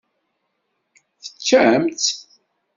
Teččam-tt?